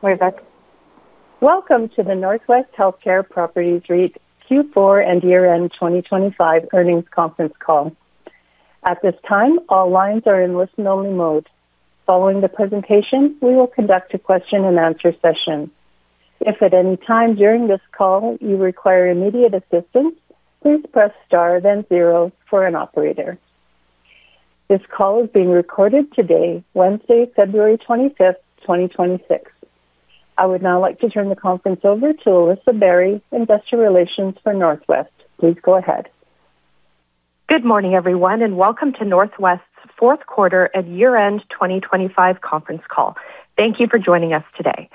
Welcome to the NorthWest Healthcare Properties REIT Q4 and year-end 2025 earnings conference call. At this time, all lines are in listen-only mode. Following the presentation, we will conduct a question-and-answer session. If at any time during this call you require immediate assistance, please press star, then zero for an operator. This call is being recorded today, Wednesday, February 25th, 2026. I would now like to turn the conference over to Alyssa Barry, Investor Relations for NorthWest. Please go ahead. Good morning, everyone, and welcome to NorthWest's fourth quarter and year-end 2025 conference call. Thank you for joining us today.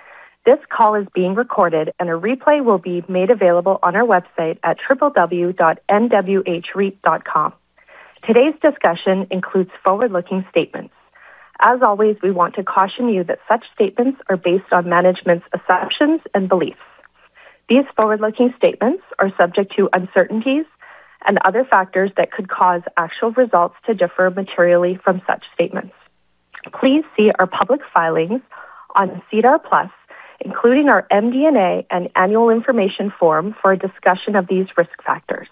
This call is being recorded, and a replay will be made available on our website at www.nwhreit.com. Today's discussion includes forward-looking statements. As always, we want to caution you that such statements are based on management's assumptions and beliefs. These forward-looking statements are subject to uncertainties and other factors that could cause actual results to differ materially from such statements. Please see our public filings on SEDAR+, including our MD&A and Annual Information Form, for a discussion of these risk factors.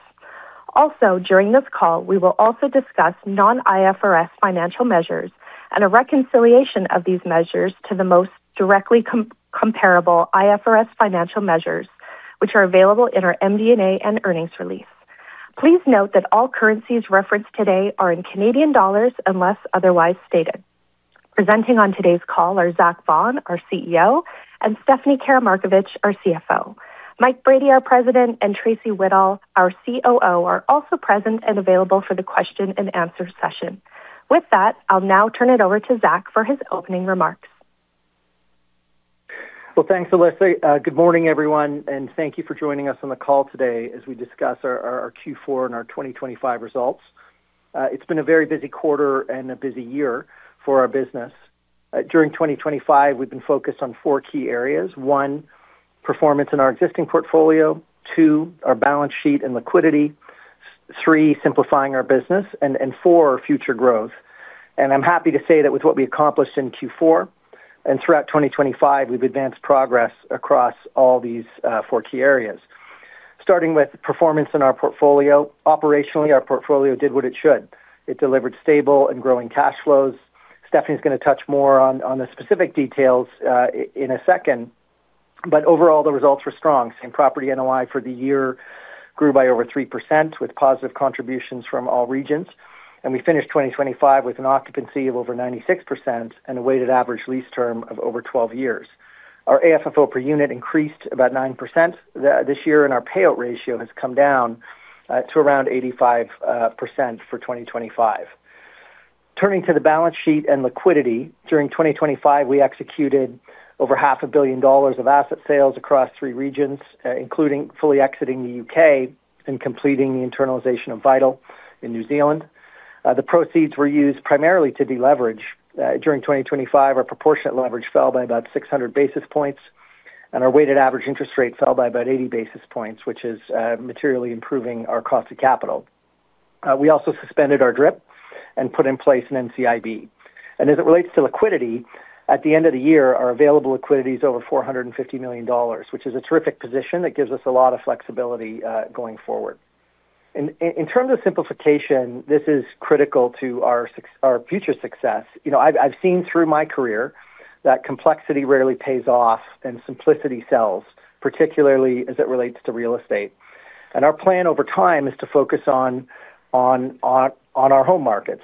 During this call, we will also discuss non-IFRS financial measures and a reconciliation of these measures to the most directly comparable IFRS financial measures, which are available in our MD&A and earnings release. Please note that all currencies referenced today are in Canadian dollars, unless otherwise stated. Presenting on today's call are Zach Vaughan, our CEO, and Stephanie Karamarkovic, our CFO. Mike Brady, our President, and Tracey Whittall, our COO, are also present and available for the question-and-answer session. With that, I'll now turn it over to Zach for his opening remarks. Well, thanks, Alyssa. Good morning, everyone, and thank you for joining us on the call today as we discuss our Q4 and our 2025 results. It's been a very busy quarter and a busy year for our business. During 2025, we've been focused on four key areas: one, performance in our existing portfolio; two, our balance sheet and liquidity; three, simplifying our business; and four, future growth. I'm happy to say that with what we accomplished in Q4 and throughout 2025, we've advanced progress across all these four key areas. Starting with performance in our portfolio. Operationally, our portfolio did what it should. It delivered stable and growing cash flows. Stephanie's going to touch more on the specific details in a second, but overall, the results were strong, and property NOI for the year grew by over 3%, with positive contributions from all regions, and we finished 2025 with an occupancy of over 96% and a weighted average lease term of over 12 years. Our AFFO per unit increased about 9% this year, and our payout ratio has come down to around 85% for 2025. Turning to the balance sheet and liquidity, during 2025, we executed over CAD half a billion dollars of asset sales across 3 regions, including fully exiting the U.K. and completing the internalization of Vital in New Zealand. The proceeds were used primarily to deleverage. During 2025, our proportionate leverage fell by about 600 basis points, and our weighted average interest rate fell by about 80 basis points, which is materially improving our cost of capital. We also suspended our DRIP and put in place an NCIB. As it relates to liquidity, at the end of the year, our available liquidity is over 450 million dollars, which is a terrific position. That gives us a lot of flexibility going forward. In terms of simplification, this is critical to our future success. You know, I've seen through my career that complexity rarely pays off and simplicity sells, particularly as it relates to real estate. Our plan over time is to focus on our home markets.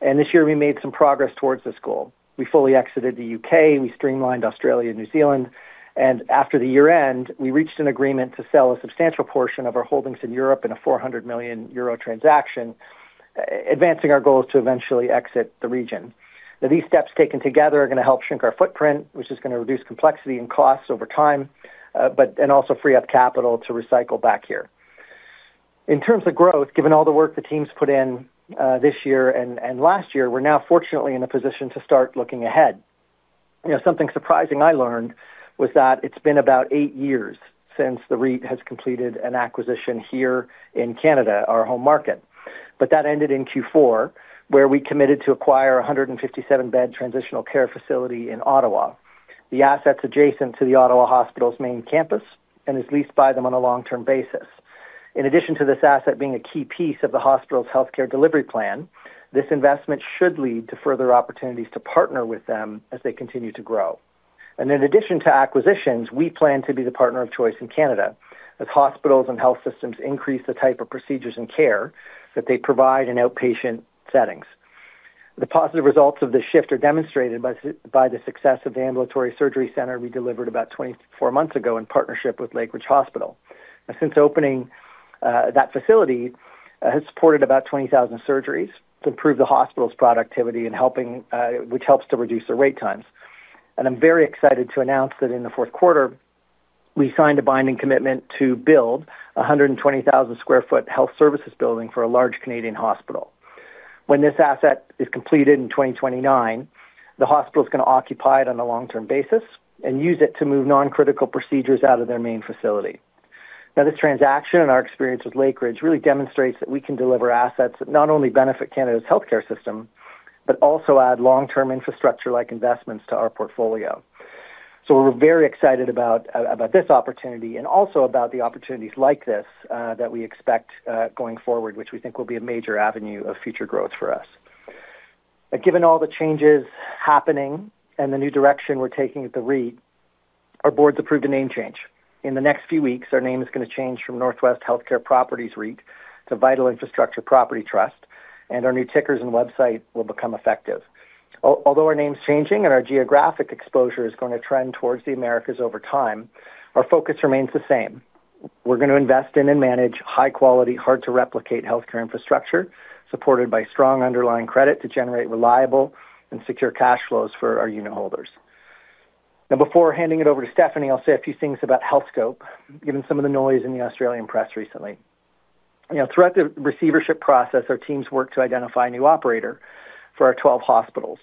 This year we made some progress towards this goal. We fully exited the U.K., we streamlined Australia and New Zealand. After the year-end, we reached an agreement to sell a substantial portion of our holdings in Europe in a 400 million euro transaction, advancing our goals to eventually exit the region. Now, these steps, taken together, are going to help shrink our footprint, which is going to reduce complexity and costs over time, and also free up capital to recycle back here. In terms of growth, given all the work the teams put in, this year and last year, we're now fortunately in a position to start looking ahead. You know, something surprising I learned was that it's been about eight years since the REIT has completed an acquisition here in Canada, our home market. That ended in Q4, where we committed to acquire a 157-bed transitional care facility in Ottawa. The asset's adjacent to The Ottawa Hospital's main campus and is leased by them on a long-term basis. In addition to this asset being a key piece of the hospital's healthcare delivery plan, this investment should lead to further opportunities to partner with them as they continue to grow. In addition to acquisitions, we plan to be the partner of choice in Canada as hospitals and health systems increase the type of procedures and care that they provide in outpatient settings. The positive results of this shift are demonstrated by the success of the ambulatory surgery center we delivered about 24 months ago in partnership with Lakeridge Health. Since opening, that facility has supported about 20,000 surgeries to improve the hospital's productivity and helping, which helps to reduce the wait times. I'm very excited to announce that in the fourth quarter, we signed a binding commitment to build a 120,000 sq ft health services building for a large Canadian hospital. When this asset is completed in 2029, the hospital's going to occupy it on a long-term basis and use it to move non-critical procedures out of their main facility. This transaction and our experience with Lakeridge really demonstrates that we can deliver assets that not only benefit Canada's healthcare system, but also add long-term infrastructure-like investments to our portfolio. We're very excited about this opportunity and also about the opportunities like this that we expect going forward, which we think will be a major avenue of future growth for us. Given all the changes happening and the new direction we're taking at the REIT, our board's approved a name change. In the next few weeks, our name is going to change from NorthWest Healthcare Properties REIT to Vital Infrastructure Property Trust, and our new tickers and website will become effective. Although our name's changing and our geographic exposure is going to trend towards the Americas over time, our focus remains the same. We're going to invest in and manage high quality, hard-to-replicate healthcare infrastructure, supported by strong underlying credit to generate reliable and secure cash flows for our unitholders. Before handing it over to Stephanie, I'll say a few things about Healthscope, given some of the noise in the Australian press recently. You know, throughout the receivership process, our teams worked to identify a new operator for our 12 hospitals.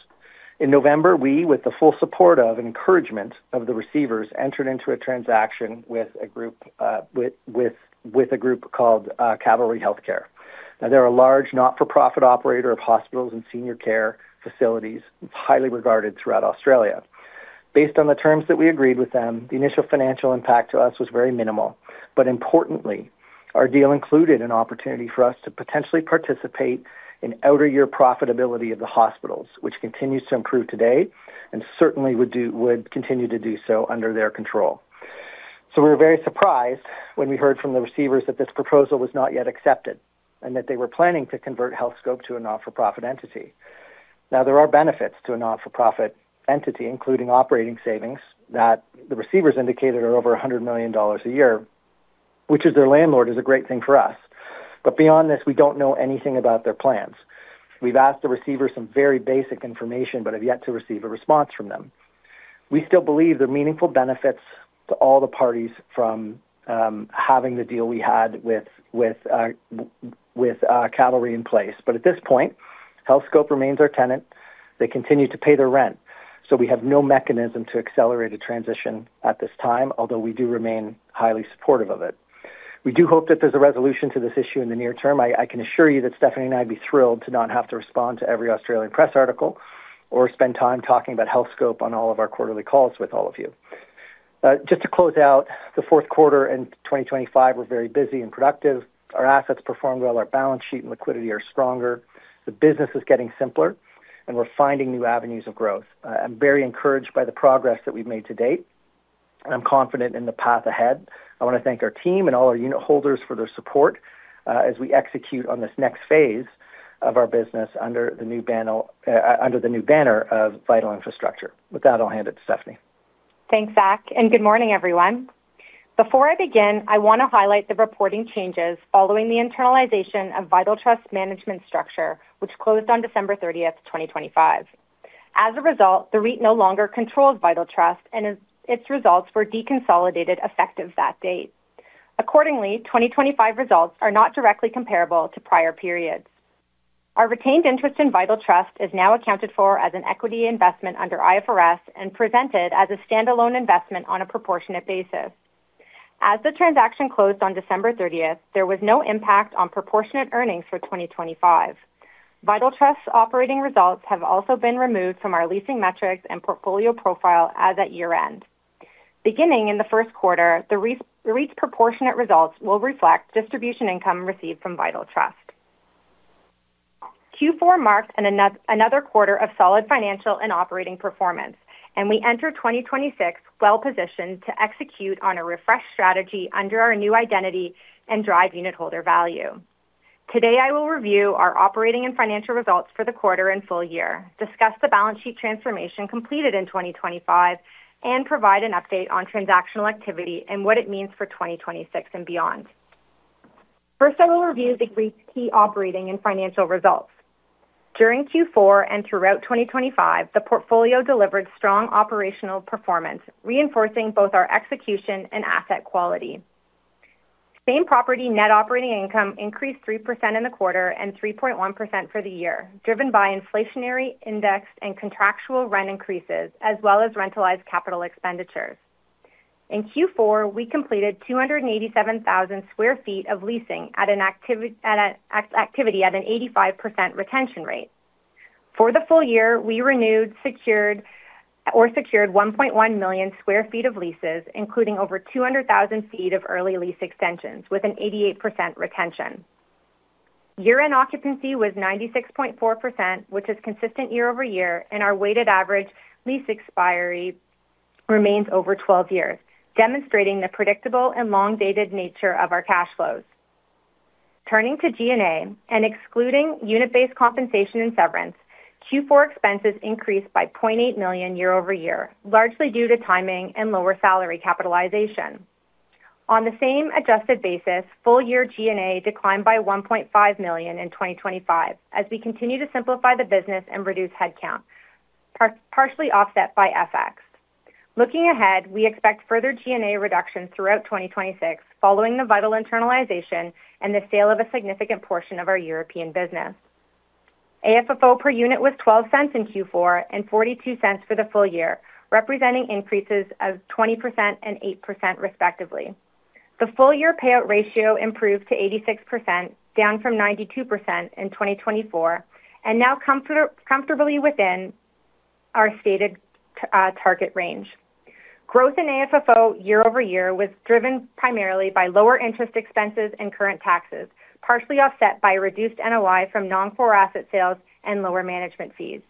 In November, we, with the full support of and encouragement of the receivers, entered into a transaction with a group called Calvary Health Care. They're a large, not-for-profit operator of hospitals and senior care facilities. It's highly regarded throughout Australia. Based on the terms that we agreed with them, the initial financial impact to us was very minimal, but importantly, our deal included an opportunity for us to potentially participate in outer year profitability of the hospitals, which continues to improve today and certainly would continue to do so under their control. We were very surprised when we heard from the receivers that this proposal was not yet accepted, and that they were planning to convert Healthscope to a not-for-profit entity. Now, there are benefits to a not-for-profit entity, including operating savings, that the receivers indicated are over 100 million dollars a year, which, as their landlord, is a great thing for us. Beyond this, we don't know anything about their plans. We've asked the receiver some very basic information, but have yet to receive a response from them. We still believe there are meaningful benefits to all the parties from having the deal we had with Calvary in place. At this point, Healthscope remains our tenant. They continue to pay their rent, we have no mechanism to accelerate a transition at this time, although we do remain highly supportive of it. We do hope that there's a resolution to this issue in the near term. I can assure you that Stephanie and I'd be thrilled to not have to respond to every Australian press article, or spend time talking about Healthscope on all of our quarterly calls with all of you. Just to close out, the fourth quarter and 2025 were very busy and productive. Our assets performed well, our balance sheet and liquidity are stronger, the business is getting simpler, and we're finding new avenues of growth. I'm very encouraged by the progress that we've made to date, and I'm confident in the path ahead. I want to thank our team and all our unitholders for their support, as we execute on this next phase of our business under the new banner, under the new banner of Vital Infrastructure. With that, I'll hand it to Stephanie. Thanks, Zach. Good morning, everyone. Before I begin, I want to highlight the reporting changes following the internalization of Vital Healthcare Property Trust management structure, which closed on December 30th, 2025. The REIT no longer controls Vital Healthcare Property Trust, and its results were deconsolidated effective that date. 2025 results are not directly comparable to prior periods. Our retained interest in Vital Healthcare Property Trust is now accounted for as an equity investment under IFRS and presented as a standalone investment on a proportionate basis. As the transaction closed on December 30th, there was no impact on proportionate earnings for 2025. Vital Healthcare Property Trust's operating results have also been removed from our leasing metrics and portfolio profile as at year-end. Beginning in the first quarter, the REIT's proportionate results will reflect distribution income received from Vital Healthcare Property Trust. Q4 marked another quarter of solid financial and operating performance. We enter 2026 well positioned to execute on a refreshed strategy under our new identity and drive unitholder value. Today, I will review our operating and financial results for the quarter and full year, discuss the balance sheet transformation completed in 2025, and provide an update on transactional activity and what it means for 2026 and beyond. First, I will review the REIT's key operating and financial results. During Q4 and throughout 2025, the portfolio delivered strong operational performance, reinforcing both our execution and asset quality. Same-property net operating income increased 3% in the quarter and 3.1% for the year, driven by inflationary index and contractual rent increases, as well as rentalized capital expenditures. In Q4, we completed 287,000 sq ft of leasing at an 85% retention rate. For the full year, we renewed, secured 1.1 million sq ft of leases, including over 200,000 sq ft of early lease extensions, with an 88% retention. Year-end occupancy was 96.4%, which is consistent year-over-year. Our weighted average lease expiry remains over 12 years, demonstrating the predictable and long-dated nature of our cash flows. Turning to G&A, excluding unit-based compensation and severance, Q4 expenses increased by 0.8 million year-over-year, largely due to timing and lower salary capitalization. On the same adjusted basis, full-year G&A declined by 1.5 million in 2025 as we continue to simplify the business and reduce headcount, partially offset by FX. Looking ahead, we expect further G&A reductions throughout 2026 following the Vital internalization and the sale of a significant portion of our European business. AFFO per unit was $0.12 in Q4 and $0.42 for the full year, representing increases of 20% and 8%, respectively. The full year payout ratio improved to 86%, down from 92% in 2024, and now comfortably within our stated target range. Growth in AFFO year-over-year was driven primarily by lower interest expenses and current taxes, partially offset by reduced NOI from non-core asset sales and lower management fees.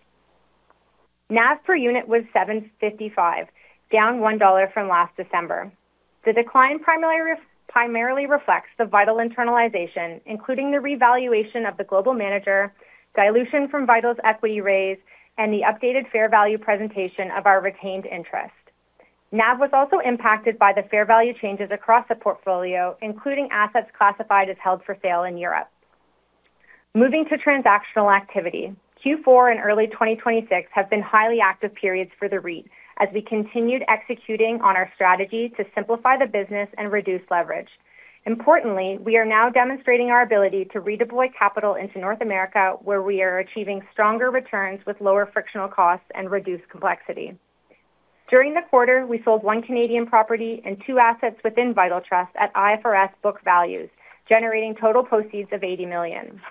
NAV per unit was $7.55, down $1 from last December. The decline primarily reflects the Vital internalization, including the revaluation of the global manager, dilution from Vital's equity raise, and the updated fair value presentation of our retained interest. NAV was also impacted by the fair value changes across the portfolio, including assets classified as held for sale in Europe. Moving to transactional activity. Q4 and early 2026 have been highly active periods for the REIT, as we continued executing on our strategy to simplify the business and reduce leverage. Importantly, we are now demonstrating our ability to redeploy capital into North America, where we are achieving stronger returns with lower frictional costs and reduced complexity. During the quarter, we sold one Canadian property and two assets within Vital Trust at IFRS book values, generating total proceeds of 80 million.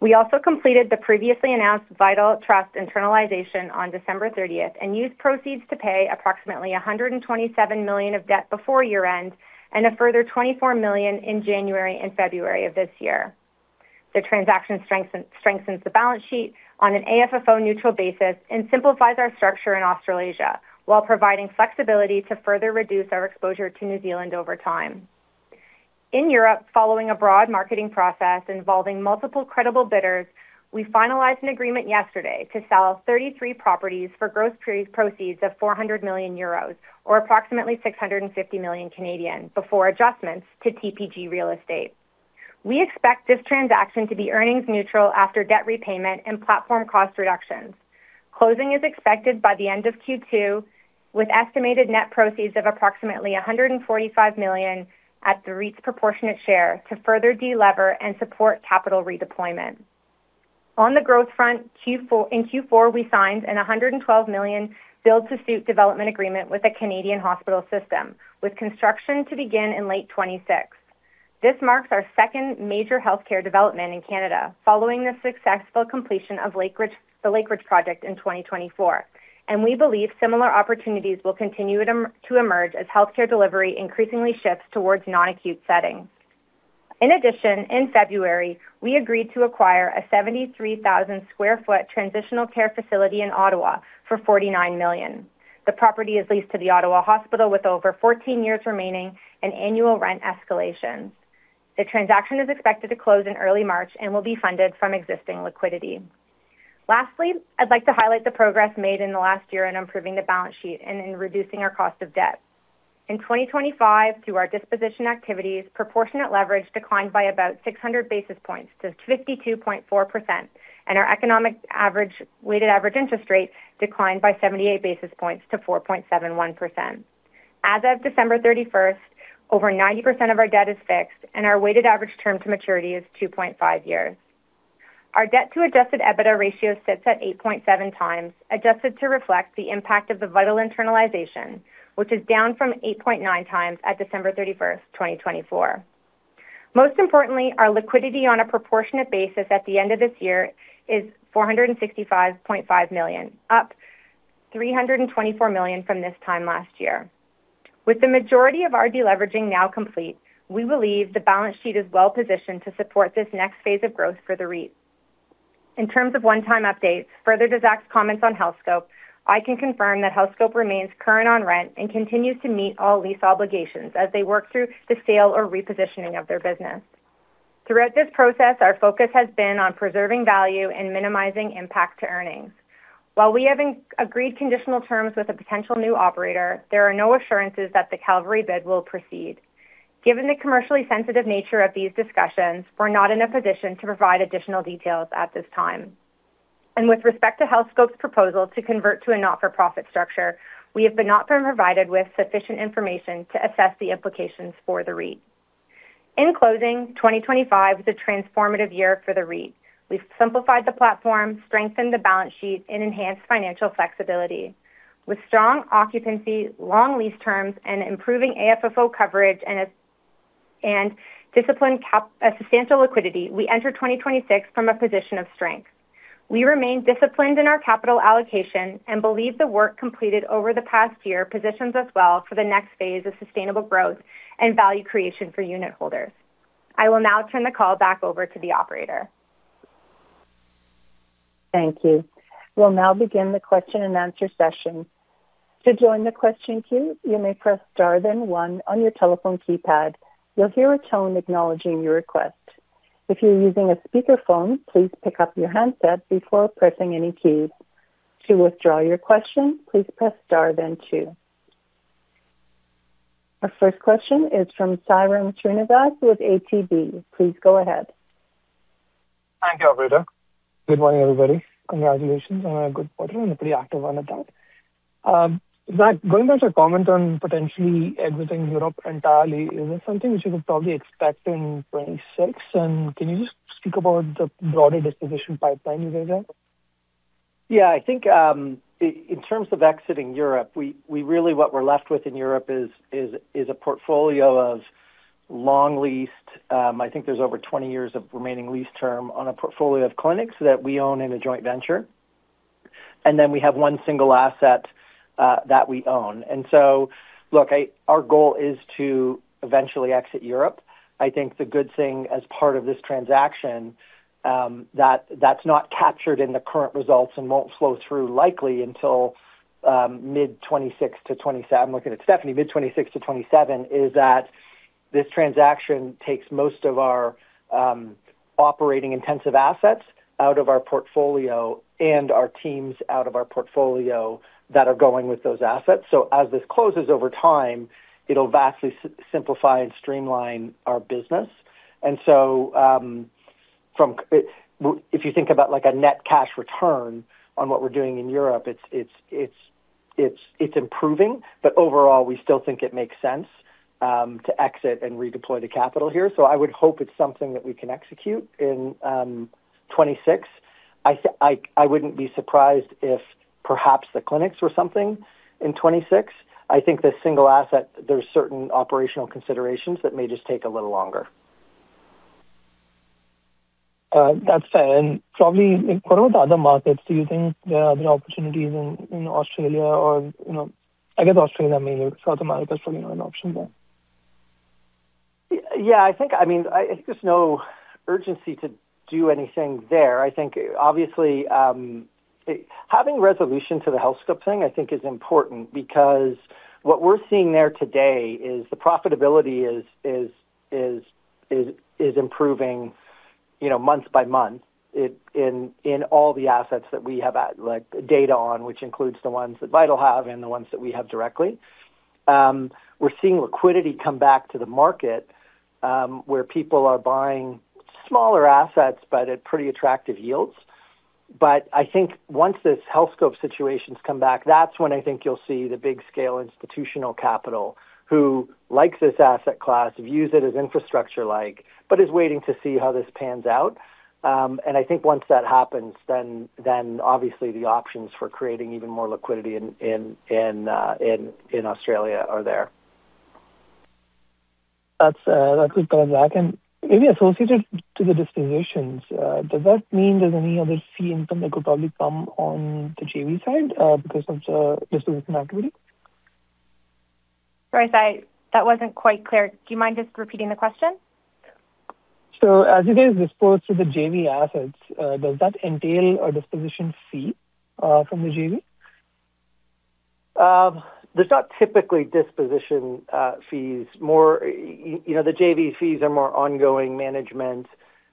We also completed the previously announced Vital Trust internalization on December 30th and used proceeds to pay approximately 127 million of debt before year-end and a further 24 million in January and February of this year. The transaction strengthens the balance sheet on an AFFO neutral basis and simplifies our structure in Australasia, while providing flexibility to further reduce our exposure to New Zealand over time. In Europe, following a broad marketing process involving multiple credible bidders, we finalized an agreement yesterday to sell 33 properties for gross pre-proceeds of 400 million euros, or approximately 650 million, before adjustments to TPG Real Estate. We expect this transaction to be earnings neutral after debt repayment and platform cost reductions. Closing is expected by the end of Q2, with estimated net proceeds of approximately 145 million at the REIT's proportionate share to further delever and support capital redeployment. On the growth front, in Q4, we signed a 112 million build-to-suit development agreement with a Canadian hospital system, with construction to begin in late 2026. This marks our second major healthcare development in Canada, following the successful completion of Lakeridge, the Lakeridge project in 2024. We believe similar opportunities will continue to emerge as healthcare delivery increasingly shifts towards non-acute settings. In addition, in February, we agreed to acquire a 73,000 sq ft transitional care facility in Ottawa for $49 million. The property is leased to The Ottawa Hospital, with over 14 years remaining and annual rent escalations. The transaction is expected to close in early March and will be funded from existing liquidity. Lastly, I'd like to highlight the progress made in the last year in improving the balance sheet and in reducing our cost of debt. In 2025, through our disposition activities, proportionate leverage declined by about 600 basis points to 52.4%, and our weighted average interest rate declined by 78 basis points to 4.71%. As of December 31st, over 90% of our debt is fixed, and our weighted average term to maturity is 2.5 years. Our debt to Adjusted EBITDA ratio sits at 8.7x, adjusted to reflect the impact of the Vital internalization, which is down from 8.9x at December 31st, 2024. Most importantly, our liquidity on a proportionate basis at the end of this year is 465.5 million, up 324 million from this time last year. With the majority of our deleveraging now complete, we believe the balance sheet is well positioned to support this next phase of growth for the REIT. In terms of one-time updates, further to Zach's comments on Healthscope, I can confirm that Healthscope remains current on rent and continues to meet all lease obligations as they work through the sale or repositioning of their business. Throughout this process, our focus has been on preserving value and minimizing impact to earnings. While we have agreed conditional terms with a potential new operator, there are no assurances that the Calvary bid will proceed. Given the commercially sensitive nature of these discussions, we're not in a position to provide additional details at this time. With respect to Healthscope's proposal to convert to a not-for-profit structure, we have not been provided with sufficient information to assess the implications for the REIT. In closing, 2025 was a transformative year for the REIT. We've simplified the platform, strengthened the balance sheet, and enhanced financial flexibility. With strong occupancy, long lease terms, and improving AFFO coverage and disciplined substantial liquidity, we enter 2026 from a position of strength. We remain disciplined in our capital allocation and believe the work completed over the past year positions us well for the next phase of sustainable growth and value creation for unitholders. I will now turn the call back over to the operator. Thank you. We'll now begin the question-and-answer session. To join the question queue, you may press star, then one on your telephone keypad. You'll hear a tone acknowledging your request. If you're using a speakerphone, please pick up your handset before pressing any key. To withdraw your question, please press star, then two. Our first question is from Sairam Srinivas with ATB. Please go ahead. Thank you, operator. Good morning, everybody. Congratulations on a good quarter and a pretty active one at that. Going back to your comment on potentially exiting Europe entirely, is this something which you could probably expect in 2026? Can you just speak about the broader disposition pipeline you guys have? Yeah, I think in terms of exiting Europe, we really what we're left with in Europe is a portfolio of long leased, I think there's over 20 years of remaining lease term on a portfolio of clinics that we own in a joint venture. We have 1 single asset that we own. Look, our goal is to eventually exit Europe. I think the good thing as part of this transaction that's not captured in the current results and won't flow through likely until mid 2026 to 2027. I'm looking at Stephanie, mid 2026 to 2027, is that this transaction takes most of our operating intensive assets out of our portfolio and our teams out of our portfolio that are going with those assets. As this closes over time, it'll vastly simplify and streamline our business. If you think about, like, a net cash return on what we're doing in Europe, it's improving, but overall, we still think it makes sense to exit and redeploy the capital here. I would hope it's something that we can execute in 2026. I wouldn't be surprised if perhaps the clinics were something in 2026. I think the single asset, there are certain operational considerations that may just take a little longer. That's fair. Probably what about the other markets? Do you think there are other opportunities in Australia or, you know, I guess Australia, I mean, South America is probably not an option there. Yeah, I think, I mean, I think there's no urgency to do anything there. I think obviously, having resolution to the Healthscope thing, I think is important because what we're seeing there today is the profitability is improving, you know, month by month in all the assets that we have, like, data on, which includes the ones that Vital have and the ones that we have directly. We're seeing liquidity come back to the market, where people are buying smaller assets, but at pretty attractive yields. I think once this Healthscope situations come back, that's when I think you'll see the big scale institutional capital who likes this asset class, views it as infrastructure-like, but is waiting to see how this pans out. I think once that happens, then obviously the options for creating even more liquidity in Australia are there. That's good, Zach. Maybe associated to the dispositions, does that mean there's any other fee income that could probably come on the JV side, because of the disposition activity? Sorry, that wasn't quite clear. Do you mind just repeating the question? As it is disposed to the JV assets, does that entail a disposition fee from the JV? There's not typically disposition, fees. More, you know, the JV fees are more ongoing management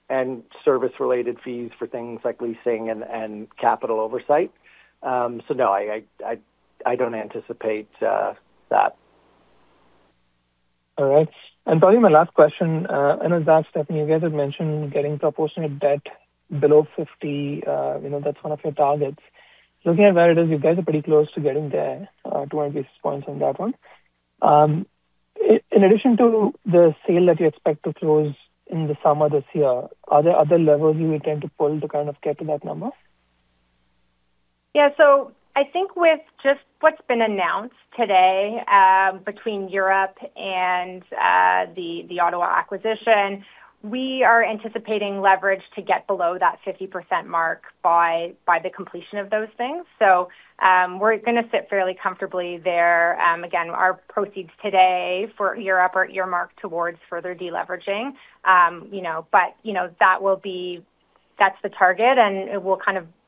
and service-related fees for things like leasing and capital oversight. No, I, I don't anticipate that. All right. Probably my last question, I know that, Stephanie, you guys had mentioned getting proportionate debt below 50%, you know, that's one of your targets. Looking at where it is, you guys are pretty close to getting there, 20 points on that one. In addition to the sale that you expect to close in the summer this year, are there other levers you intend to pull to kind of get to that number? I think with just what's been announced today, between Europe and the Ottawa acquisition, we are anticipating leverage to get below that 50% mark by the completion of those things. We're gonna sit fairly comfortably there. Again, our proceeds today for Europe are earmarked towards further deleveraging. You know, that's the target,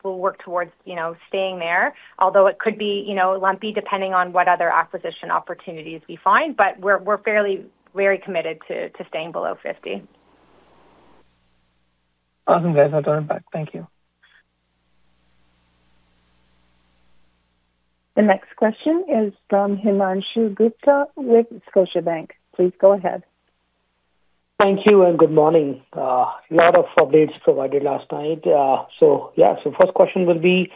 we'll work towards, you know, staying there, although it could be, you know, lumpy, depending on what other acquisition opportunities we find. We're fairly very committed to staying below 50. Awesome, guys. I'll turn it back. Thank you. The next question is from Himanshu Gupta with Scotiabank. Please go ahead. Thank you. Good morning. A lot of updates provided last night. First question will be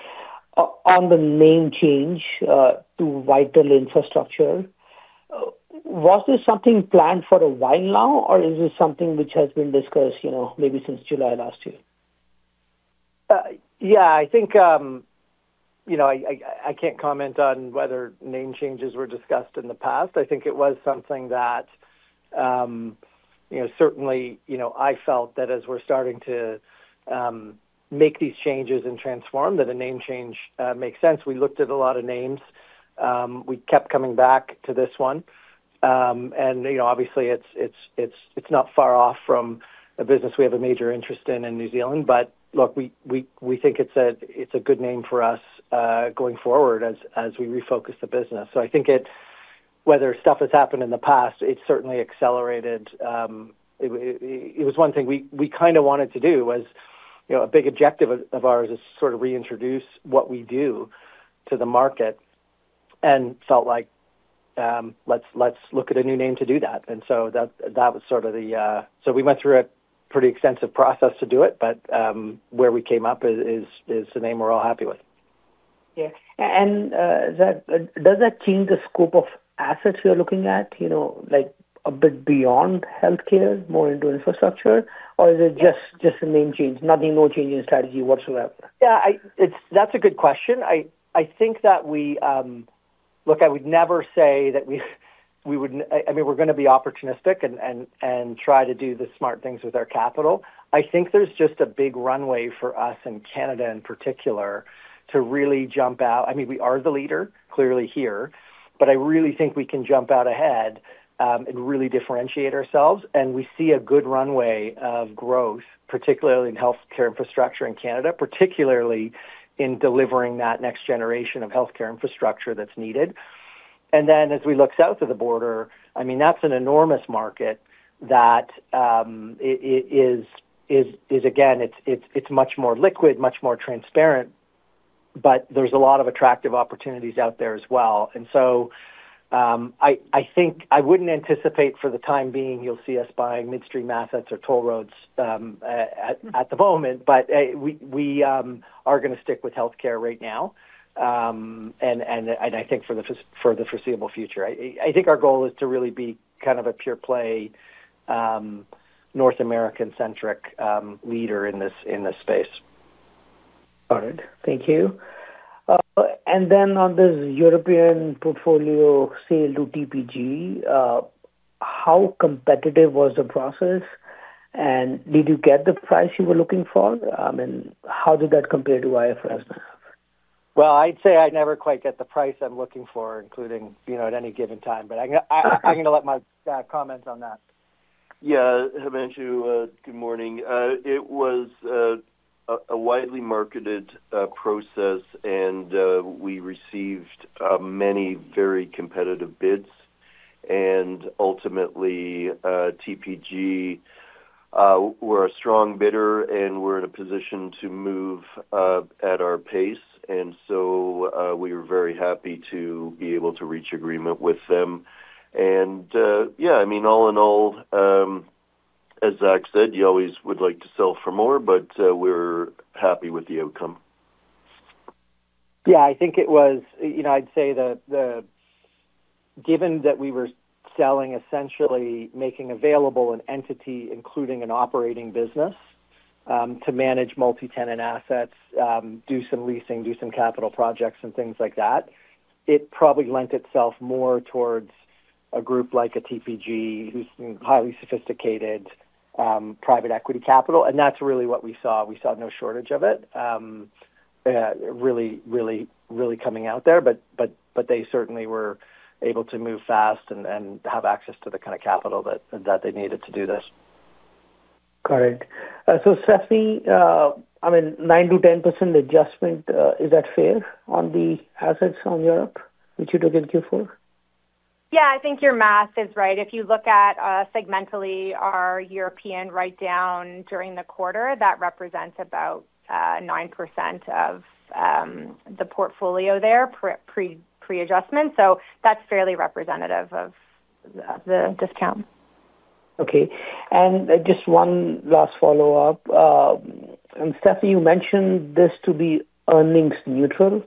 on the name change to Vital Infrastructure. Was this something planned for a while now, or is this something which has been discussed, you know, maybe since July last year? I think, you know, I can't comment on whether name changes were discussed in the past. I think it was something that, you know, certainly, you know, I felt that as we're starting to make these changes and transform, that a name change makes sense. We looked at a lot of names. We kept coming back to this one. You know, obviously, it's not far off from a business we have a major interest in New Zealand. Look, we think it's a good name for us, going forward as we refocus the business. I think whether stuff has happened in the past, it's certainly accelerated. It was one thing we kinda wanted to do was, you know, a big objective of ours is sort of reintroduce what we do to the market and felt like... Let's look at a new name to do that. That was sort of the... We went through a pretty extensive process to do it, but where we came up is the name we're all happy with. Yeah. Does that change the scope of assets you're looking at, you know, like a bit beyond healthcare, more into infrastructure? Or is it just a name change, nothing, no change in strategy whatsoever? Yeah, that's a good question. I think that we, look, I would never say that I mean, we're gonna be opportunistic and try to do the smart things with our capital. I think there's just a big runway for us in Canada in particular, to really jump out. I mean, we are the leader clearly here, but I really think we can jump out ahead and really differentiate ourselves. We see a good runway of growth, particularly in healthcare infrastructure in Canada, particularly in delivering that next generation of healthcare infrastructure that's needed. As we look south of the border, I mean, that's an enormous market that it is, again, it's much more liquid, much more transparent, but there's a lot of attractive opportunities out there as well. I think I wouldn't anticipate for the time being, you'll see us buying midstream assets or toll roads at the moment. We are gonna stick with healthcare right now. And I think for the foreseeable future. I think our goal is to really be kind of a pure play, North American-centric leader in this space. Got it. Thank you. On the European portfolio sale to TPG, how competitive was the process, and did you get the price you were looking for? How did that compare to IFRS? Well, I'd say I never quite get the price I'm looking for, including, you know, at any given time. I'm gonna let Mike comment on that. Yeah, Himanshu, good morning. It was a widely marketed process, and we received many very competitive bids. Ultimately, TPG were a strong bidder, and were in a position to move at our pace, and so, we were very happy to be able to reach agreement with them. Yeah, I mean, all in all, as Zach said, you always would like to sell for more, but, we're happy with the outcome. Yeah, I think it was. You know, I'd say that, given that we were selling, essentially making available an entity, including an operating business, to manage multi-tenant assets, do some leasing, do some capital projects and things like that, it probably lent itself more towards a group like a TPG, who's highly sophisticated, private equity capital, and that's really what we saw. We saw no shortage of it, really coming out there. They certainly were able to move fast and have access to the kind of capital that they needed to do this. Correct. Stephanie, I mean, 9%-10% adjustment, is that fair on the assets on Europe, which you took in Q4? Yeah, I think your math is right. If you look at, segmentally, our European write-down during the quarter, that represents about, 9% of, the portfolio there, pre-adjustment, so that's fairly representative of the discount. Okay. Just one last follow-up. Stephanie, you mentioned this to be earnings neutral.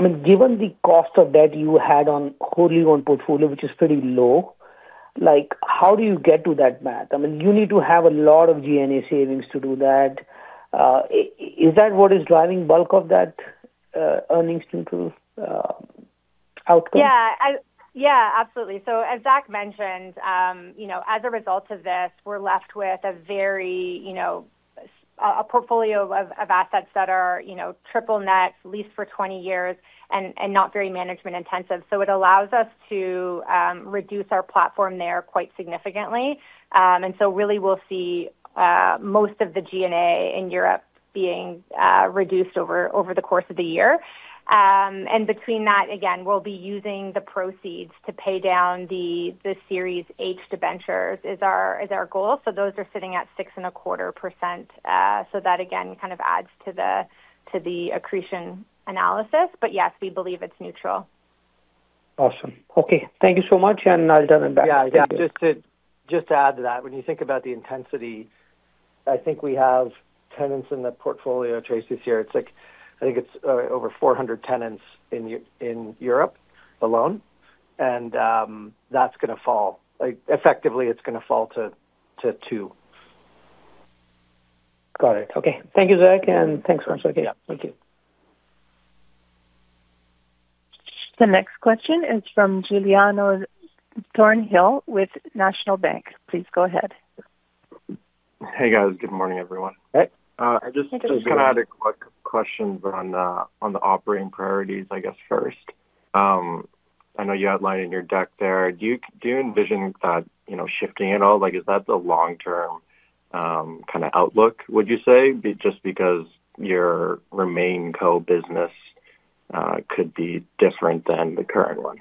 I mean, given the cost of debt you had on holding on portfolio, which is pretty low, like, how do you get to that math? I mean, you need to have a lot of G&A savings to do that. Is that what is driving bulk of that earnings neutral outcome? Yeah, absolutely. As Zach mentioned, you know, as a result of this, we're left with a very, you know, a portfolio of assets that are, you know, triple net, leased for 20 years, and not very management intensive. It allows us to reduce our platform there quite significantly. Really, we'll see most of the G&A in Europe being reduced over the course of the year. Between that, again, we'll be using the proceeds to pay down the Series H Debentures, is our goal. Those are sitting at 6.25%. That, again, kind of adds to the accretion analysis, but yes, we believe it's neutral. Awesome. Okay, thank you so much, and I'll turn it back to you. Yeah, just to add to that, when you think about the intensity, I think we have tenants in the portfolio Tracey's here. It's like, I think it's over 400 tenants in Europe alone, and that's gonna fall. Like, effectively, it's gonna fall to two. Got it. Okay. Thank it, Zach, and thanks so much again. Yeah. Thank you. The next question is from Giuliano Thornhill with National Bank. Please go ahead. Hey, guys. Good morning, everyone. Hey. I just-. Hey, Giuliano. gonna add a quick questions on the operating priorities, I guess, first. I know you outlined in your deck there, do you, do you envision that, you know, shifting at all? Like, is that the long-term, kind of outlook, would you say, just because your remain co-business, could be different than the current one?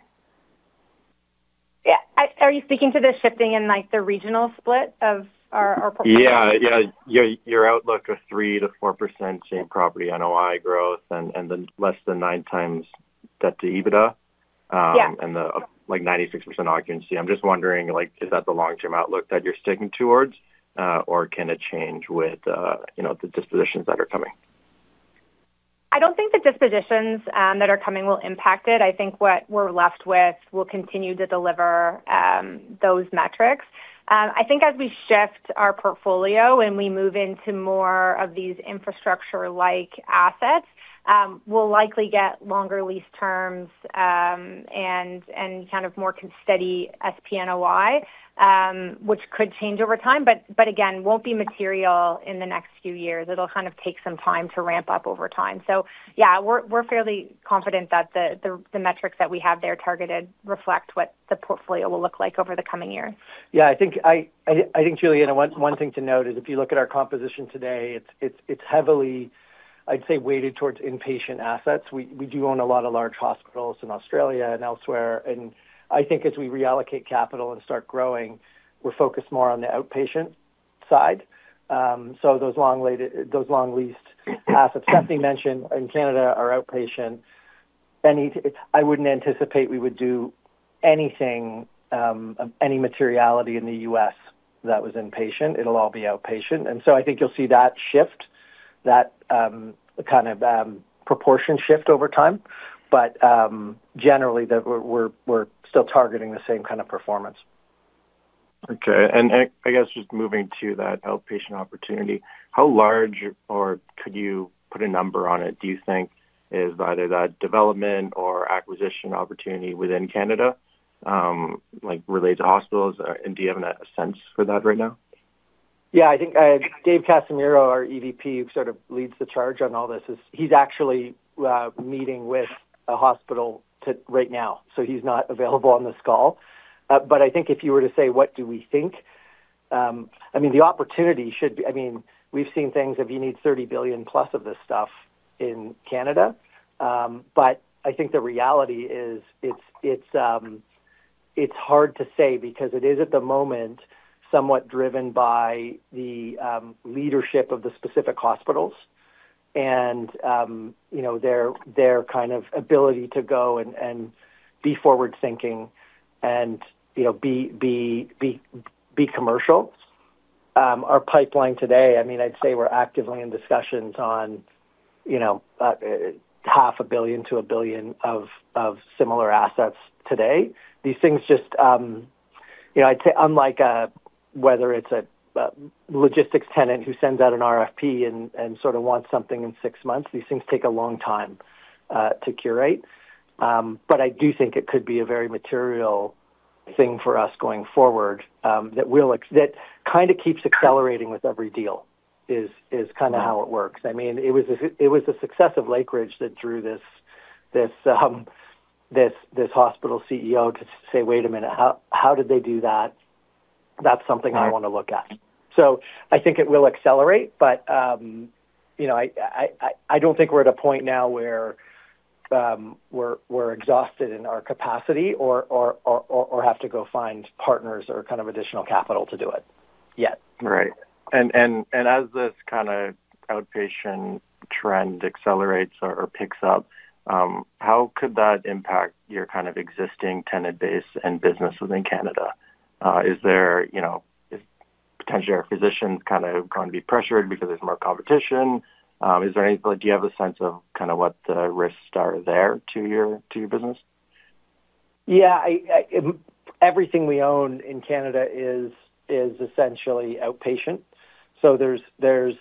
Yeah. Are you speaking to the shifting in like the regional split of our? Yeah, yeah, your outlook of 3%-4% same property NOI growth, and then less than 9x debt to EBITDA? Yeah. The, like, 96% occupancy. I'm just wondering, like, is that the long-term outlook that you're sticking towards, or can it change with, you know, the dispositions that are coming? I don't think the dispositions, that are coming will impact it. I think what we're left with will continue to deliver, those metrics. I think as we shift our portfolio and we move into more of these infrastructure-like assets, we'll likely get longer lease terms, and kind of more steady SPNOI, which could change over time, but again, won't be material in the next few years. It'll kind of take some time to ramp up over time. Yeah, we're fairly confident that the metrics that we have there targeted reflect what the portfolio will look like over the coming years. I think, Giuliano, one thing to note is, if you look at our composition today, it's heavily, I'd say, weighted towards inpatient assets. We do own a lot of large hospitals in Australia and elsewhere, and I think as we reallocate capital and start growing, we're focused more on the outpatient side. Those long leased assets Stephanie mentioned in Canada are outpatient, and it. I wouldn't anticipate we would do anything of any materiality in the U.S. that was inpatient. It'll all be outpatient. I think you'll see that shift, that kind of proportion shift over time. Generally, we're still targeting the same kind of performance. Okay. I guess just moving to that outpatient opportunity, how large or could you put a number on it, do you think, is either that development or acquisition opportunity within Canada, like related to hospitals? Or and do you have a sense for that right now? Yeah, I think Dave Casimiro, our EVP, who sort of leads the charge on all this, is he's actually meeting with a hospital right now, so he's not available on this call. I think if you were to say, what do we think? I mean, the opportunity should be. I mean, we've seen things, if you need 30 billion-plus of this stuff in Canada. I think the reality is, it's hard to say because it is, at the moment, somewhat driven by the leadership of the specific hospitals and, you know, their kind of ability to go and be forward-thinking and, you know, be commercial. Our pipeline today, I mean, I'd say we're actively in discussions on, you know, CAD half a billion to 1 billion of similar assets today. These things just, you know, I'd say unlike whether it's a logistics tenant who sends out an RFP and sort of wants something in 6 months, these things take a long time to curate. I do think it could be a very material thing for us going forward, that kind of keeps accelerating with every deal, is kind of how it works. I mean, it was a success of Lakeridge that drew this hospital CEO to say, "Wait a minute, how did they do that? That's something I want to look at." I think it will accelerate, but, you know, I don't think we're at a point now where, we're exhausted in our capacity or have to go find partners or kind of additional capital to do it yet. Right. As this kind of outpatient trend accelerates or picks up, how could that impact your kind of existing tenant base and business within Canada? Is there, you know, potentially are physicians kind of going to be pressured because there's more competition? Is there like, do you have a sense of kind of what the risks are there to your business? Yeah, I, everything we own in Canada is essentially outpatient, there's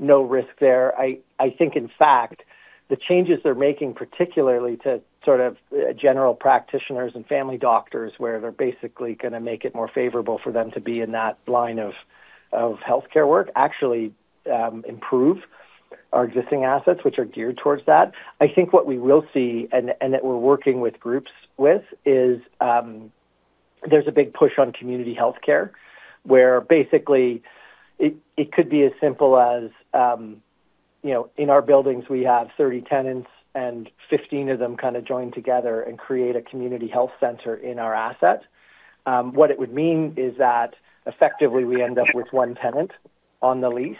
no risk there. I think, in fact, the changes they're making, particularly to sort of general practitioners and family doctors, where they're basically gonna make it more favorable for them to be in that line of healthcare work, actually, improve our existing assets, which are geared towards that. I think what we will see, and that we're working with groups with, is there's a big push on community healthcare, where basically it could be as simple as, you know, in our buildings, we have 30 tenants, and 15 of them kind of join together and create a community health center in our asset. What it would mean is that effectively we end up with one tenant on the lease,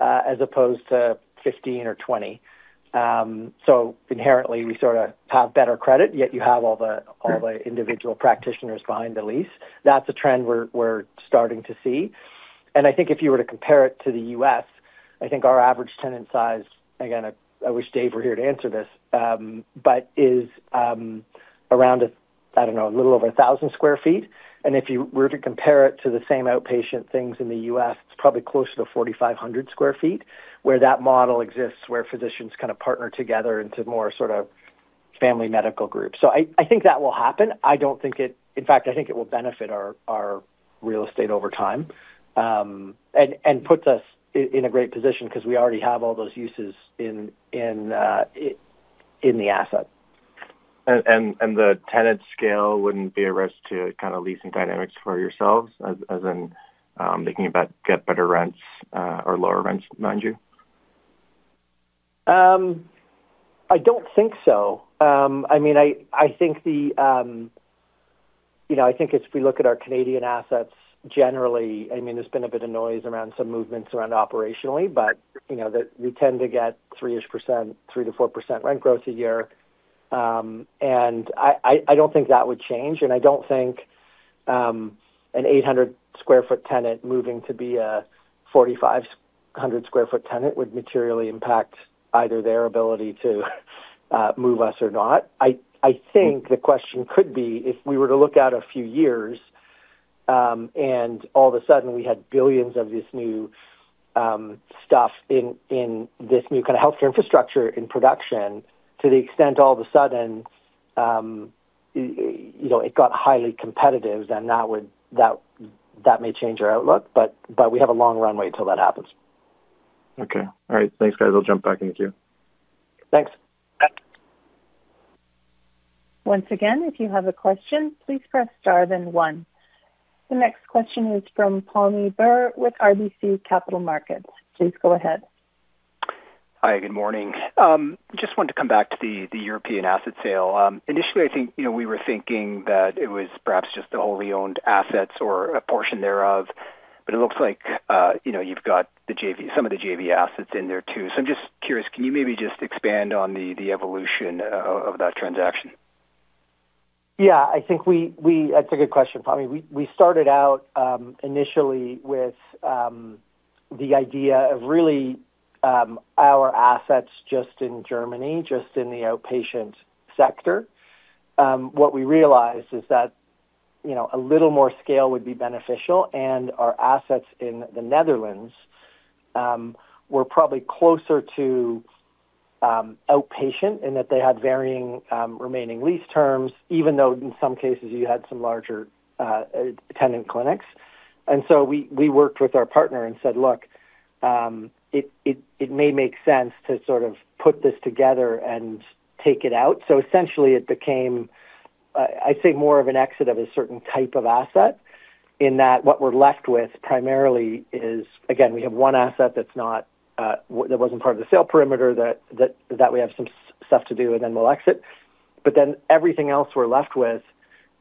as opposed to 15 or 20. Inherently, we sort of have better credit, yet you have all the-. Right all the individual practitioners behind the lease. That's a trend we're starting to see. I think if you were to compare it to the U.S., I think our average tenant size, again, I wish Dave were here to answer this, but is around, I don't know, a little over 1,000 sq ft. If you were to compare it to the same outpatient things in the U.S., it's probably closer to 4,500 sq ft, where that model exists, where physicians kind of partner together into more sort of family medical groups. I think that will happen. I don't think it, in fact, I think it will benefit our real estate over time, and puts us in a great position because we already have all those uses in the asset. The tenant scale wouldn't be a risk to kind of leasing dynamics for yourselves, as in, thinking about get better rents, or lower rents, mind you? I don't think so. I mean, I think the, you know, I think if we look at our Canadian assets generally, I mean, there's been a bit of noise around some movements around operationally, but, you know, that we tend to get 3-ish%, 3%-4% rent growth a year. I don't think that would change, and I don't think an 800 sq ft tenant moving to be a 4,500 sq ft tenant would materially impact either their ability to move us or not. I think the question could be, if we were to look out a few years, all of a sudden we had billions of this new, stuff in this new kind of healthcare infrastructure in production, to the extent all of a sudden, you know, it got highly competitive, then that may change our outlook. But we have a long runway till that happens. Okay. All right. Thanks, guys. I'll jump back in with you. Thanks. Once again, if you have a question, please press Star, then one. The next question is from Pammi Bir with RBC Capital Markets. Please go ahead. Hi, good morning. Just wanted to come back to the European asset sale. Initially, I think, you know, we were thinking that it was perhaps just the wholly owned assets or a portion thereof, but it looks like, you know, you've got the JV, some of the JV assets in there too. I'm just curious, can you maybe just expand on the evolution of that transaction? I think we. That's a good question, Pammi. I mean, we started out initially with the idea of really our assets just in Germany, just in the outpatient sector. What we realized is that, you know, a little more scale would be beneficial, and our assets in the Netherlands were probably closer to outpatient, in that they had varying remaining lease terms, even though in some cases you had some larger tenant clinics. We worked with our partner and said, "Look, it may make sense to sort of put this together and take it out." Essentially it became, I'd say, more of an exit of a certain type of asset, in that what we're left with primarily is, again, we have one asset that's not, that wasn't part of the sale perimeter, that we have some stuff to do and then we'll exit. Everything else we're left with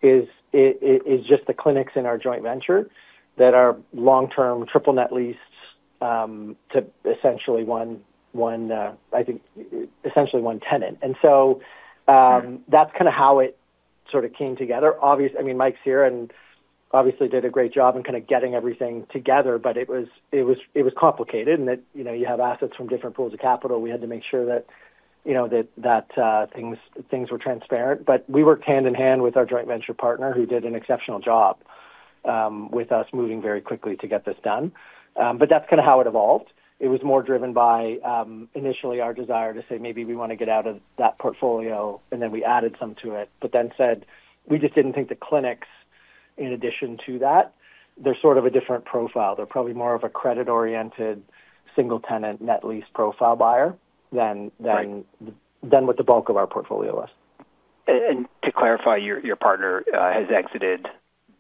is just the clinics in our joint venture that are long-term triple net leases, to essentially one, I think essentially one tenant. That's kind of how it sort of came together. Obviously, I mean, Mike's here and obviously did a great job in kind of getting everything together, but it was complicated and that, you know, you have assets from different pools of capital. We had to make sure that, you know, that things were transparent. We worked hand-in-hand with our joint venture partner, who did an exceptional job with us moving very quickly to get this done. That's kind of how it evolved. It was more driven by initially our desire to say maybe we want to get out of that portfolio, and then we added some to it, but then said we just didn't think the clinics in addition to that, they're sort of a different profile. They're probably more of a credit-oriented, single tenant, net lease profile buyer than. Right. What the bulk of our portfolio is. To clarify, your partner has exited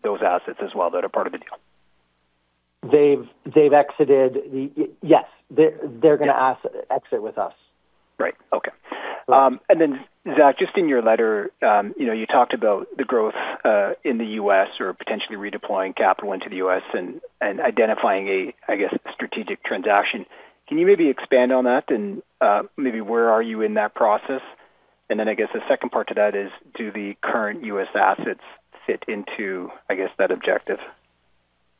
those assets as well that are part of the deal? They've exited the. Yes, they're gonna. Yeah. Exit with us. Right. Okay. Zach, just in your letter, you know, you talked about the growth in the U.S. or potentially redeploying capital into the U.S. and identifying a, I guess, strategic transaction. Can you maybe expand on that and, maybe where are you in that process? Then I guess the second part to that is, do the current U.S. assets fit into, I guess, that objective?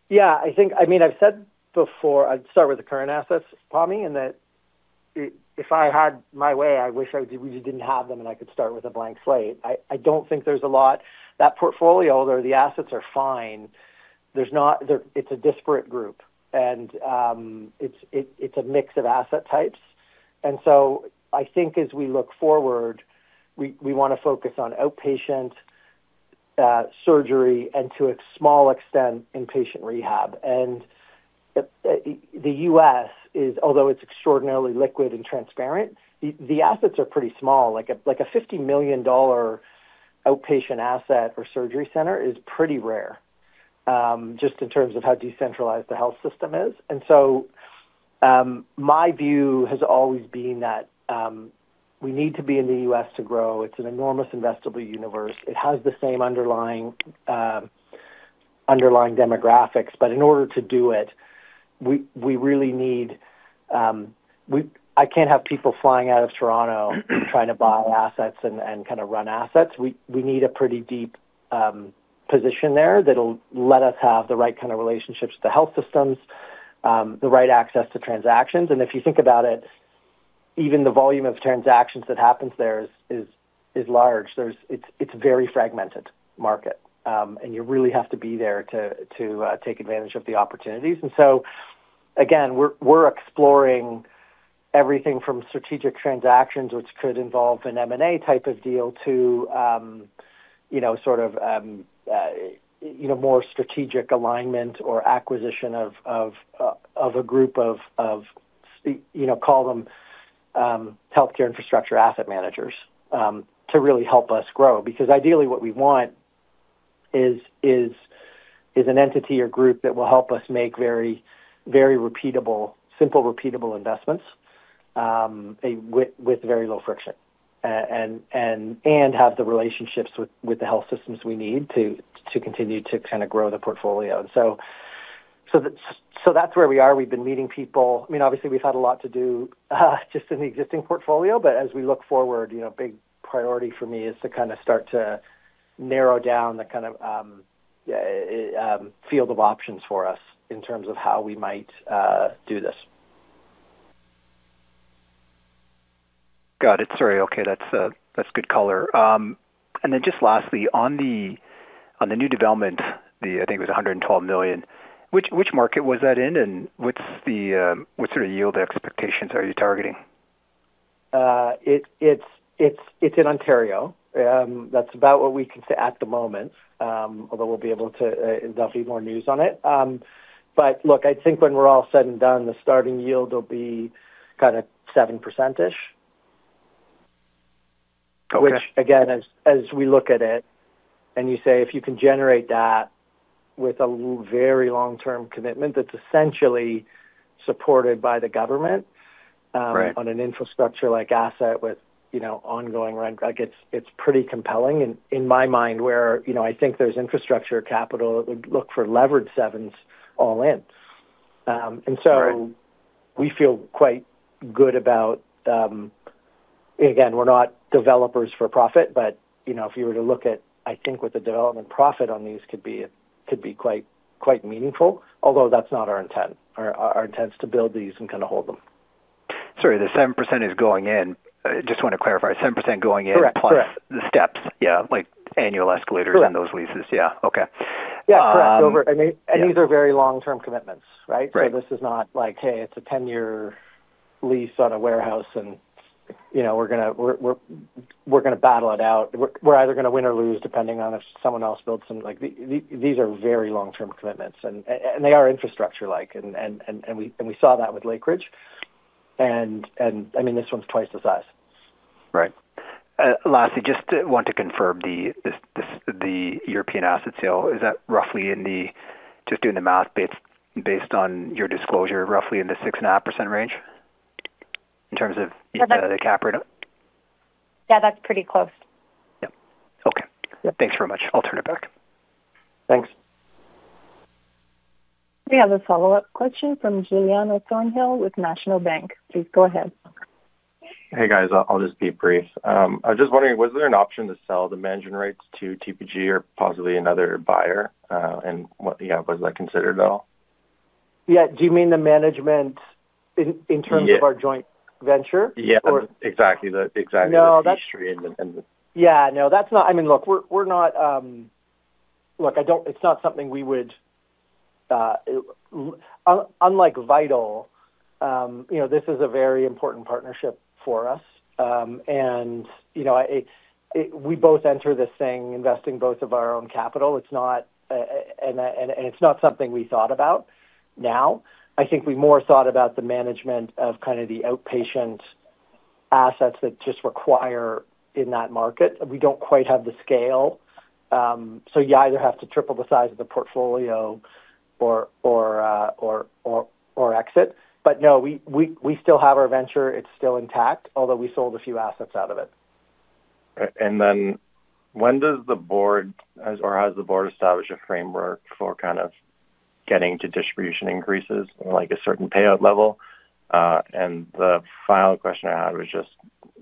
Yeah, I think. I mean, I've said before, I'd start with the current assets, Pammi. I mean, and that if I had my way, I wish I really didn't have them, and I could start with a blank slate. I don't think there's a lot. That portfolio there, the assets are fine. It's a disparate group, and it's a mix of asset types. I think as we look forward, we wanna focus on outpatient surgery, and to a small extent, inpatient rehab. The U.S. is although it's extraordinarily liquid and transparent, the assets are pretty small, like a $50 million outpatient asset or surgery center is pretty rare, just in terms of how decentralized the health system is. My view has always been that we need to be in the US to grow. It's an enormous investable universe. It has the same underlying underlying demographics, but in order to do it, we really need I can't have people flying out of Toronto trying to buy assets and kind of run assets. We need a pretty deep position there, that'll let us have the right kind of relationships with the health systems, the right access to transactions. If you think about it, even the volume of transactions that happens there is large. It's a very fragmented market, and you really have to be there to take advantage of the opportunities. Again, we're exploring everything from strategic transactions, which could involve an M&A type of deal to, sort of, more strategic alignment or acquisition of a group of, call them, healthcare infrastructure asset managers, to really help us grow. Because ideally what we want is an entity or group that will help us make very, very repeatable, simple, repeatable investments, a with very low friction. And have the relationships with the health systems we need to continue to kind of grow the portfolio. That's where we are. We've been meeting people. I mean, obviously, we've had a lot to do, just in the existing portfolio, but as we look forward, you know, a big priority for me is to kind of start to narrow down the kind of, field of options for us in terms of how we might, do this. Got it. Sorry. Okay, that's good color. Just lastly, on the new development, I think it was 112 million, which market was that in, what's the, what sort of yield expectations are you targeting? It's in Ontario. That's about what we can say at the moment, although we'll be able to, there'll be more news on it. Look, I think when we're all said and done, the starting yield will be kind of 7%-ish. Okay. Again, as we look at it, as we look at it, and you say, if you can generate that with a very long-term commitment, that's essentially supported by the government. Right on an infrastructure like asset with, you know, ongoing rent, like it's pretty compelling. In my mind, where, you know, I think there's infrastructure capital, it would look for levered 7% all in. Right. We feel quite good about. We're not developers for profit, but, you know, if you were to look at, I think what the development profit on these could be, it could be quite meaningful, although that's not our intent. Our intent is to build these and kind of hold them. Sorry, the 7% is going in. I just want to clarify. 7% going in- Correct. Correct. Plus the steps, yeah, like annual escalators Correct. In those leases. Yeah. Okay. Yeah, correct. Over. Yeah. These are very long-term commitments, right? Right. This is not like, hey, it's a 10-year lease on a warehouse, and, you know, we're gonna battle it out. We're either gonna win or lose, depending on if someone else builds something like these are very long-term commitments, and they are infrastructure-like, and we saw that with Lakeridge. I mean, this one's twice the size. Right. lastly, just want to confirm the European asset sale, is that roughly in the, just doing the math based on your disclosure, roughly in the 6.5% range in terms of? Yeah. The cap rate? Yeah, that's pretty close. Yep. Okay. Yeah. Thanks very much. I'll turn it back. Thanks. We have a follow-up question from Giuliano Thornhill with National Bank. Please go ahead. Hey, guys. I'll just be brief. I was just wondering, was there an option to sell the management rights to TPG or possibly another buyer? What, yeah, was that considered at all? Yeah. Do you mean the management in terms- Yeah... of our joint venture? Yeah. Or- Exactly the- No. History and the. No, that's not. I mean, look, we're not, look, It's not something we would unlike Vital, you know, this is a very important partnership for us. You know, it, we both enter this thing investing both of our own capital. It's not, and it's not something we thought about now. I think we more thought about the management of kind of the outpatient assets that just require in that market. We don't quite have the scale. You either have to triple the size of the portfolio or exit. No, we still have our venture. It's still intact, although we sold a few assets out of it. When does the board, as or has the board established a framework for kind of getting to distribution increases, like a certain payout level? The final question I had was just,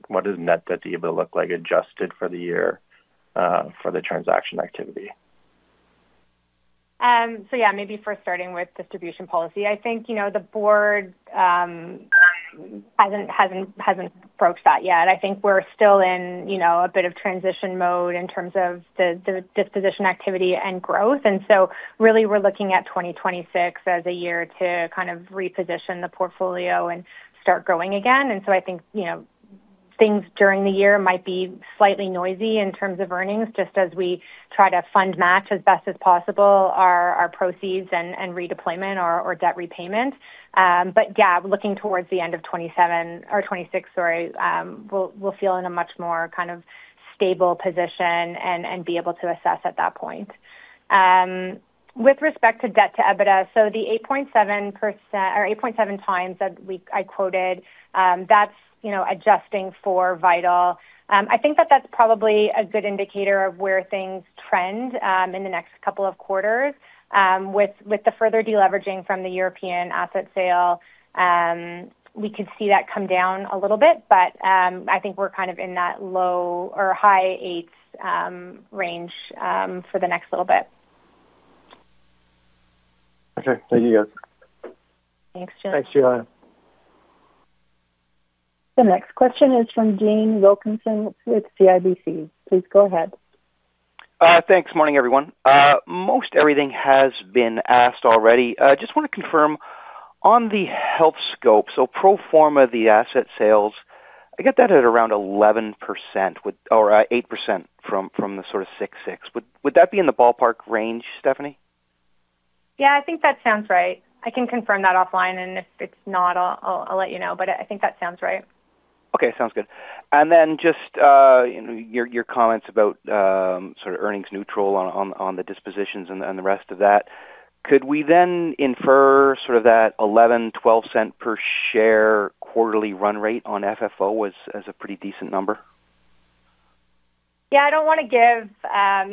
what does net debt EBITDA look like, adjusted for the year, for the transaction activity? Yeah, maybe first starting with distribution policy, I think, you know, the board hasn't approached that yet. I think we're still in, you know, a bit of transition mode in terms of the disposition activity and growth. Really, we're looking at 2026 as a year to kind of reposition the portfolio and start growing again. I think, you know, things during the year might be slightly noisy in terms of earnings, just as we try to fund match as best as possible, our proceeds and redeployment or debt repayment. Yeah, looking towards the end of 2027 or 2026, sorry, we'll feel in a much more kind of stable position and be able to assess at that point. With respect to debt to EBITDA, the 8.7% or 8.7x that I quoted, that's, you know, adjusting for Vital. I think that that's probably a good indicator of where things trend in the next couple of quarters. With the further deleveraging from the European asset sale, we could see that come down a little bit, but I think we're kind of in that low or high 8s range for the next little bit. Okay. Thank you, guys. Thanks, Guliano. Thanks, Guliano. The next question is from Dean Wilkinson with CIBC. Please go ahead. Thanks. Morning, everyone. Most everything has been asked already. Just want to confirm on the Healthscope, pro forma the asset sales, I get that at around 11% with... Or, 8% from the sort of 6. Would that be in the ballpark range, Stephanie? Yeah, I think that sounds right. I can confirm that offline, and if it's not, I'll let you know, but I think that sounds right. Okay. Sounds good. Just, you know, your comments about sort of earnings neutral on the dispositions and the rest of that. Could we then infer sort of that 0.11-0.12 per share quarterly run rate on FFO was a pretty decent number? Yeah, I don't want to give,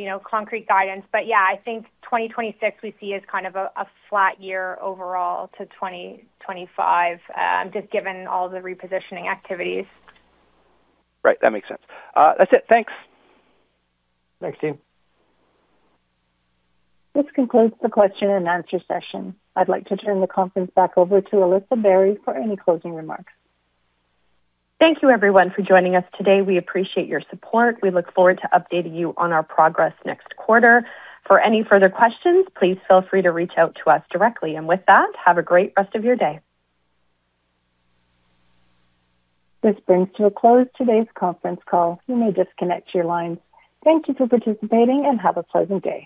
you know, concrete guidance, but yeah, I think 2026, we see as kind of a flat year overall to 2025, just given all the repositioning activities. Right. That makes sense. That's it. Thanks. Thanks, Dean. This concludes the question and answer session. I'd like to turn the conference back over to Alyssa Barry for any closing remarks. Thank you, everyone, for joining us today. We appreciate your support. We look forward to updating you on our progress next quarter. For any further questions, please feel free to reach out to us directly. With that, have a great rest of your day. This brings to a close today's conference call. You may disconnect your lines. Thank you for participating, and have a pleasant day.